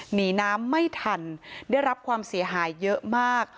หนีน้ำไม่ทันได้รับความเสียหายเยอะมาก